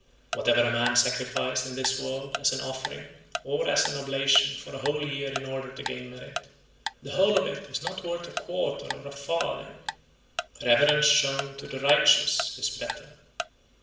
108. Whatever a man sacrifice in this world as an offering or as an oblation for a whole year in order to gain merit, the whole of it is not worth a quarter (a farthing); reverence shown to the righteous is better.